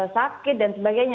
sakit dan sebagainya